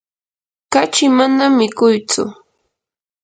kachi manam mikuytsu.